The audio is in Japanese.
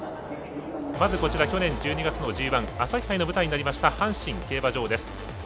まず、こちら去年１２月の朝日杯の舞台になりました阪神競馬場です。